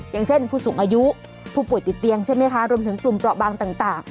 อย่างเช่นผู้สูงอายุผู้ป่วยติดเตียงใช่ไหมคะรวมถึงกลุ่มเปราะบางต่าง